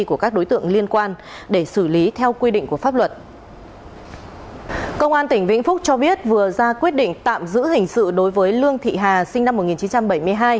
công an tỉnh vĩnh phúc cho biết vừa ra quyết định tạm giữ hình sự đối với lương thị hà sinh năm một nghìn chín trăm bảy mươi hai